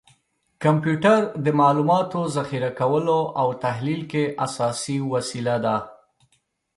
کمپیوټر د معلوماتو ذخیره کولو او تحلیل کې اساسي وسیله ده.